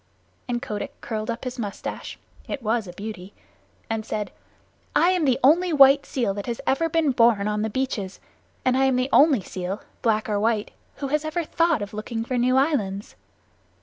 And Kotick curled up his mustache (it was a beauty) and said, "I am the only white seal that has ever been born on the beaches, and I am the only seal, black or white, who ever thought of looking for new islands."